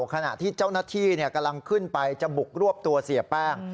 ขณะที่เจ้าหน้าที่กำลังขึ้นไปจะบุกรวบตัวเสียแป้ง